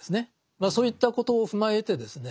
まあそういったことを踏まえてですね